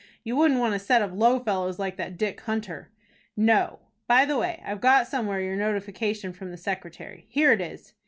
"You wouldn't want a set of low fellows like that Dick Hunter." "No. By the way, I've got somewhere your notification from the secretary. Here it is."